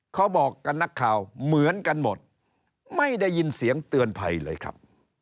เขาบอกกับนักข่าวเหมือนกันหมดไม่ได้ยินเสียงเตือนภัยเลยครับ